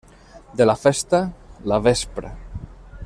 De la festa, la vespra.